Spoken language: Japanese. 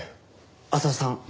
浅輪さん。